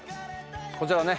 こちらね。